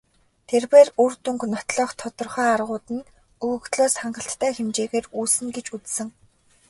Тэр бээр үр дүнг нотлох тодорхой аргууд нь өгөгдлөөс хангалттай хэмжээгээр үүснэ гэж үзсэн.